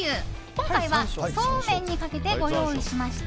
今回は、そうめんにかけてご用意しました。